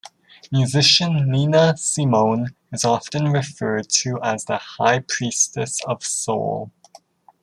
Musician Nina Simone is often referred to as the High Priestess of Soul.